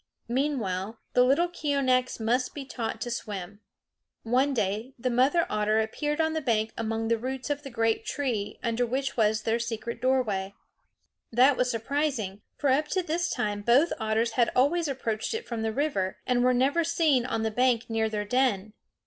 Meanwhile the little Keeonekhs must be taught to swim. One day the mother otter appeared on the bank among the roots of the great tree under which was their secret doorway. That was surprising, for up to this time both otters had always approached it from the river, and were never seen on the bank near their den.